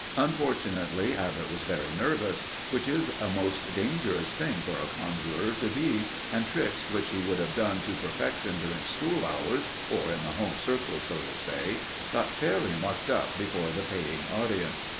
Unfortunately, Abbott was very nervous, which is a most dangerous thing for a conjuror to be, and tricks which he would have done to perfection during school hours, or in the home circle, so to say, got fairly mucked up before the paying audience.